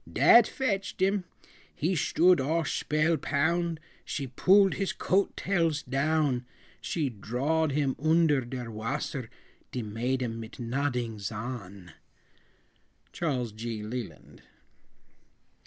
Dat fetched him he shtood all shpellpound; She pooled his coat tails down, She drawed him oonder der wasser, De maiden mit nodings on. CHARLES G. LELAND.